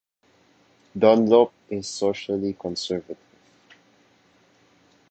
Dunlop is socially conservative.